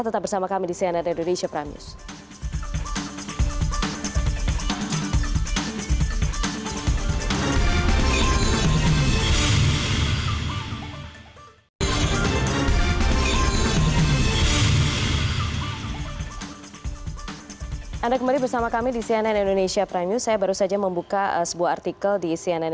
tetap bersama kami di cnn indonesia prime news